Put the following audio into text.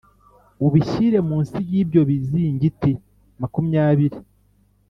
ubishyire munsi y ibyo bizingiti makumyabiri